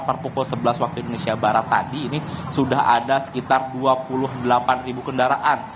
per pukul sebelas waktu indonesia barat tadi ini sudah ada sekitar dua puluh delapan ribu kendaraan